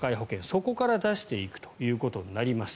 そこから出していくということになります。